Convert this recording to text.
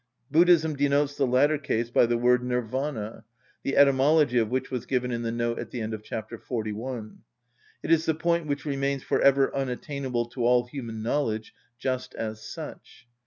Buddhism denotes the latter case by the word Nirvana, the etymology of which was given in the note at the end of chapter 41. It is the point which remains for ever unattainable to all human knowledge, just as such.